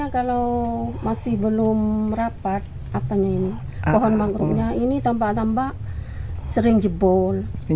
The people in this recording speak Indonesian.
kalau masih belum rapat pohon mangrovenya ini tampak tampak sering jebol